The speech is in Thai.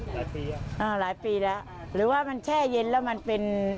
หลายปีหรือเปล่าหลายปีแล้วหรือว่ามันแช่เย็นแล้วมันเป็น